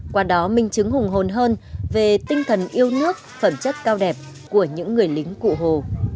qua đó minh chứng hùng hồn hơn về tinh thần yêu nước phẩm chất cao đẹp của những người lính cụ hồ